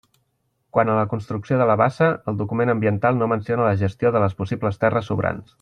Quant a la construcció de la bassa, el document ambiental no menciona la gestió de les possibles terres sobrants.